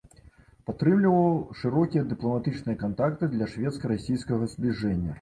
Падтрымліваў шырокія дыпламатычныя кантакты для шведска-расійскага збліжэння.